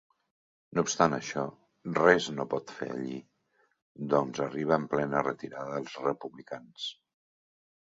No obstant això, res no pot fer allí, doncs arriba en plena retirada dels republicans.